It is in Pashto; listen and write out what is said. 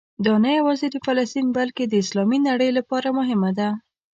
دا نه یوازې د فلسطین بلکې د اسلامي نړۍ لپاره مهمه ده.